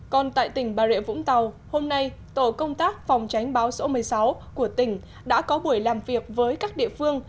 còn tại tỉnh bà rịa vũng tàu hôm nay tổ công tác phòng tránh bão số một mươi sáu của tỉnh đã có buổi làm việc với các địa phương